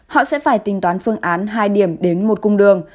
họ sẽ phải tính toán phương án hai điểm đến một cung đường